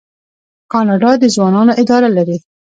کاناډا د ځوانانو اداره لري.